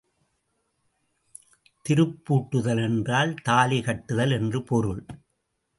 திருப்பூட்டுதல் என்றால் தாலி கட்டுதல் என்று பொருள்.